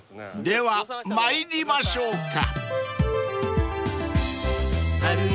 ［では参りましょうか］